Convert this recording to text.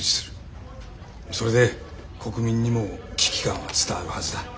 それで国民にも危機感は伝わるはずだ。